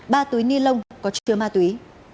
ba túi ni lông có chứa ma túy